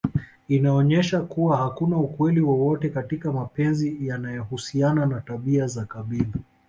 Inaonyesha kuwa hakuna ukweli wowote katika mapenzi yanayohusiana na tabia za kabila